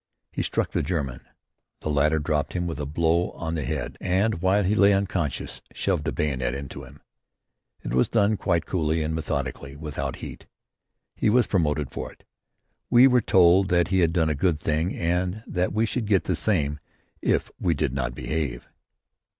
He struck the German. The latter dropped him with a blow on the head, and while he lay unconscious shoved the bayonet into him. It was done quite coolly and methodically, without heat. He was promoted for it. We were told that he had done a good thing and that we should get the same if we did not behave.